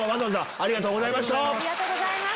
ありがとうございます。